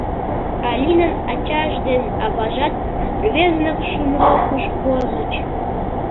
Алинан ачаж ден аважат рвезынек шунрокыш возыч.